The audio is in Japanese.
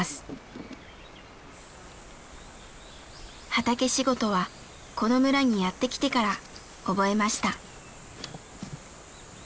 畑仕事はこの村にやって来てから覚えました。